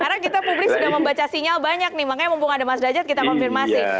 karena kita publik sudah membaca sinyal banyak nih makanya mumpung ada mas derajat kita konfirmasi